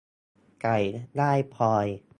ไก่ได้พลอย